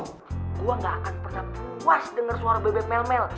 gua gak akan pernah puas denger suara beb beb melmel